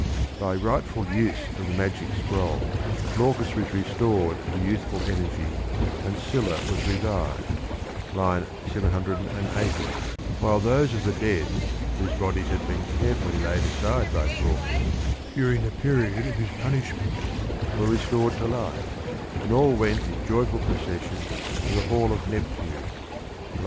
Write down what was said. By rightful use of the magic scroll Glaucus was restored to youthful energy and Scylla was revived (780), while those of the dead whose bodies had been carefully laid aside by Glaucus during the period of his punishment were restored to life, and all went in joyful procession to the hall of Neptune (868).